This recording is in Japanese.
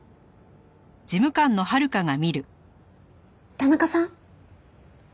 田中さん？